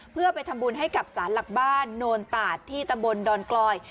เพื่อไปทำบุญให้กับสารหลักบ้านโนนตาดที่ตำบลดอนกลอย